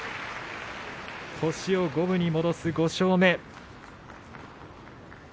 星を五分に戻す、５勝目。